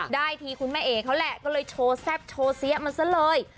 ทีคุณแม่เอ๋เขาแหละก็เลยโชว์แซ่บโชว์เสียมันซะเลย